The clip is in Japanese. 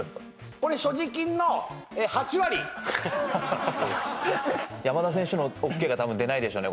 これ所持金の８割山田選手のＯＫが多分出ないでしょうね